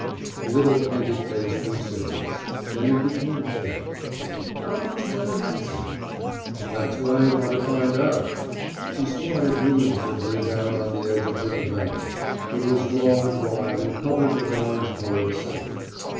The little painted face grew serious; then it became veiled. "How much money has he?" "That's what I want to find out!" She squatted ruminatively down on the edge of her divan. It was low and wide and covered with orange colored silk.